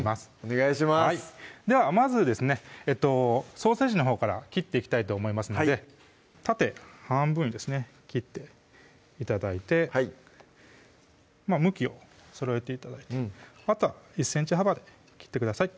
はいではまずですねソーセージのほうから切っていきたいと思いますので縦半分にですね切って頂いてはい向きをそろえて頂いてあとは１ｃｍ幅で切ってください